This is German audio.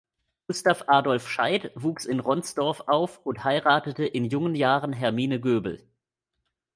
Gustav Adolf Scheidt wuchs in Ronsdorf auf und heiratete in jungen Jahren Hermine Göbel.